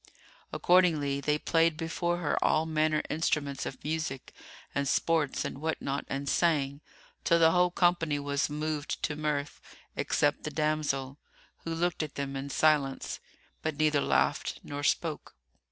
Accordingly they played before her all manner instruments of music and sports and what not and sang, till the whole company was moved to mirth, except the damsel, who looked at them in silence, but neither laughed nor spoke.